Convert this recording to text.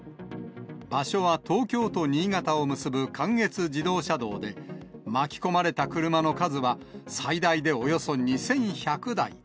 場所は東京と新潟を結ぶ関越自動車道で、巻き込まれた車の数は、最大でおよそ２１００台。